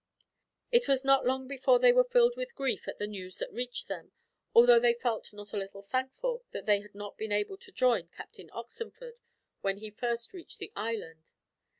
It was not long before they were filled with grief at the news that reached them, although they felt not a little thankful that they had not been able to join Captain Oxenford, when he first reached the islands.